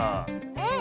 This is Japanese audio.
うん！